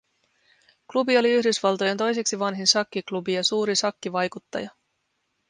Klubi oli Yhdysvaltojen toiseksi vanhin shakkiklubi ja suuri shakkivaikuttaja